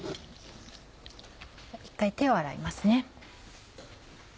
一回手を洗います。